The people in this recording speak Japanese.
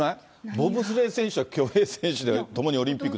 ボブスレー選手と競泳選手でともにオリンピック。